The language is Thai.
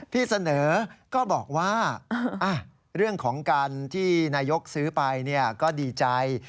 พี่เสนอก็บอกว่าเรื่องของการที่นายกซื้อไปก็ดีใจ